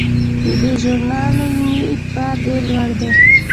د دې ژورنال علمي اعتبار ډیر لوړ دی.